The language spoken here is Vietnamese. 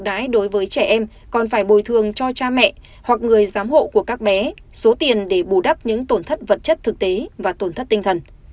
đãi đối với trẻ em còn phải bồi thường cho cha mẹ hoặc người giám hộ của các bé số tiền để bù đắp những tổn thất vật chất thực tế và tổn thất tinh thần